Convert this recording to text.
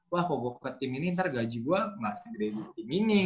wah kalau gue ke tim ini nanti gaji gue masih lebih dari tim ini